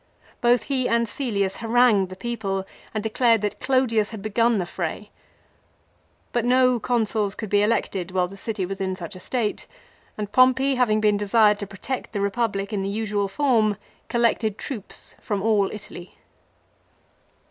Both he and Cselius harangued the people, and declared that Clodius had begun the fray. But no Consuls could be elected while the city was in such a state, and Pompey, having been desired to protect the Republic in the usual form, collected troops from all Italy.